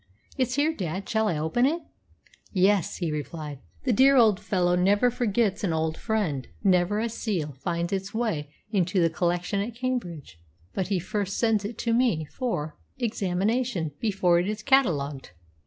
"It's here, dad. Shall I open it?" "Yes," he replied. "That dear old fellow never forgets his old friend. Never a seal finds its way into the collection at Cambridge but he first sends it to me for examination before it is catalogued.